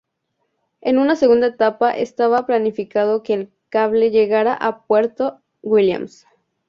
En una segunda etapa, estaba planificado que el cable llegara a Puerto Williams.